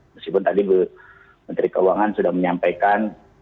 meskipun tadi bu menteri keuangan sudah menyampaikan